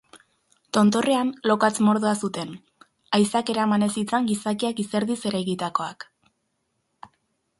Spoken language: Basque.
Tontorrean lokatz-mordoa zuten, haizeak eraman ez zitzan gizakiak izerdiz eraikitakoak.